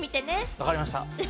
わかりました。